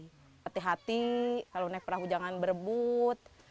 hati hati kalau naik perahu jangan berebut